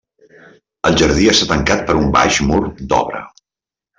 El jardí està tancat per un baix mur d'obra.